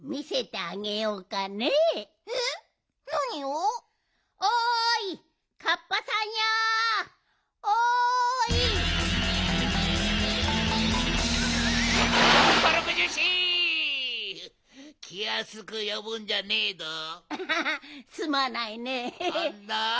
ああすまないねえ。